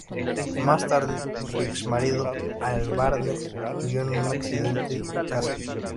Más tarde, su exmarido, Hal Barnes, murió en un accidente de caza.